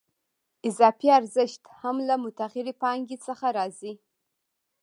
اضافي ارزښت هم له متغیرې پانګې څخه راځي